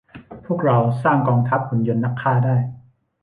พวกเราสร้างกองทัพหุ่นยนต์นักฆ่าได้